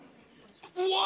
うわ！